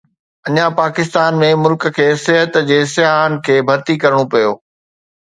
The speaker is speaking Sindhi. اڃا پاڪستان ۾، ملڪ کي صحت جي سياحن کي ڀرتي ڪرڻو پيو.